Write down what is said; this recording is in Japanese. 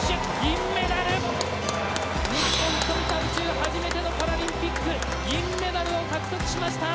初めてのパラリンピック銀メダルを獲得しました。